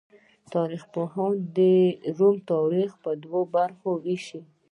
تاریخ پوهان د روم تاریخ په دوو برخو ویشي.